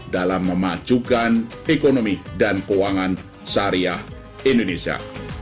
dalam memajukan ekonomi dan keuangan syariah indonesia